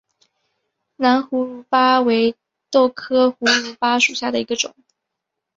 蓝胡卢巴为豆科胡卢巴属下的一个种。